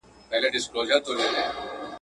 زه په تمه، ته بېغمه.